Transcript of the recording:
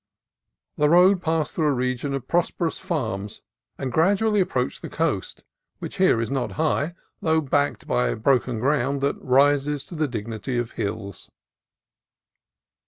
The road passed through a region of prosperous farms, and gradually approached the coast, which here is not high, though backed by broken ground that rises to the dignity of hills.